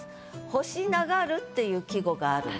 「星流る」っていう季語があるんです。